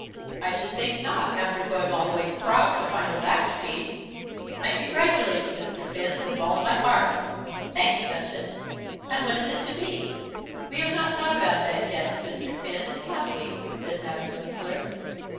"I should think not, after going all the way to Prague to find a latch key! I congratulate you, Mr. Finn, with all my heart." "Thanks, Duchess." "And when is it to be?" "We have not thought about that yet, Mr. Finn, have we?" said Madame Goesler.